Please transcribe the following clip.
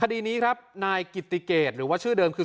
คดีนี้ครับนายกิติเกตหรือว่าชื่อเดิมคือ